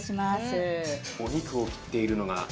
お肉を切っているのが森さん。